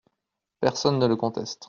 Personne ne le conteste.